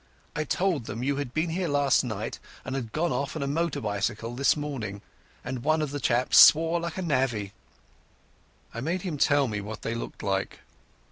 I told them you had been here last night and had gone off on a motor bicycle this morning, and one of the chaps swore like a navvy." I made him tell me what they looked like.